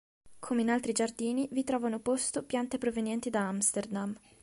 Come in altri giardini, vi trovano posto piante provenienti da Amsterdam.